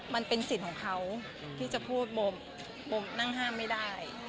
มันเป็นสิทธิ์ของเขาที่จะพูดโมนั่งห้ามไม่ได้